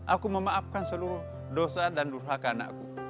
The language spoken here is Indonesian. aku memaafkan seluruh dosa dan durhaka anakku